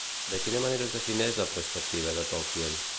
De quina manera es defineix la perspectiva de Tolkien?